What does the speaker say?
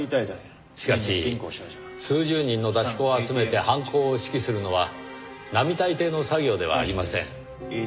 しかし数十人の出し子を集めて犯行を指揮するのは並大抵の作業ではありません。